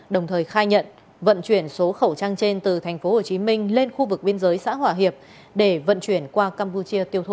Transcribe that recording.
đồng thời khai nhận vận chuyển số khẩu trang trên từ tp hcm lên khu vực biên giới xã hòa hiệp để vận chuyển qua campuchia tiêu thụ